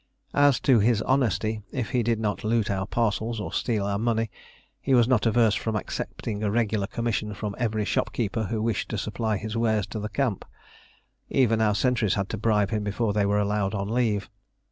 As to his honesty, if he did not loot our parcels or steal our money, he was not averse from accepting a regular commission from every shopkeeper who wished to supply his wares to the camp. Even our sentries had to bribe him before they were allowed on leave.